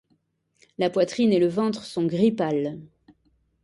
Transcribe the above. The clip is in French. La poitrine et le ventre sont gris pâle.